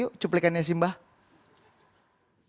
yang terakhir adalah kisah yang terakhir